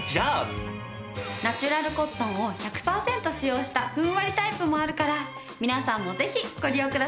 ナチュラルコットンを１００パーセント使用したふんわりタイプもあるから皆さんもぜひご利用くださいね！